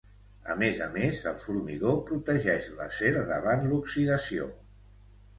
A més a més, el formigó protegeix l'acer davant l'oxidació.